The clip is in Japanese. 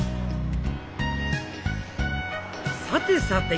さてさて